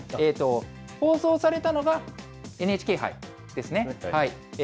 放送されたのがＮＨＫ杯ですね。